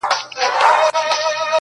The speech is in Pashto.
زه له ټولو سره خپل د هیچا نه یم!.